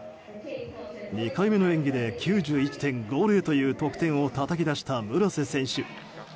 ２回目の演技で９１．５０という点をたたき出した村瀬選手。